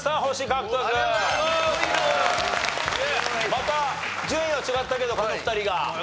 また順位は違ったけどこの２人が。